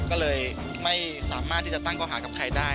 ก็เลยไม่สามารถที่จะตั้งก้อหากับใครได้